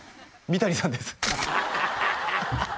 三谷さんです